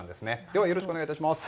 では、よろしくお願いいたします。